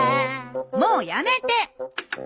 もうやめて！